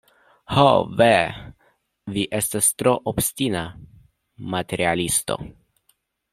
Ho ve, vi estas tro obstina materialisto.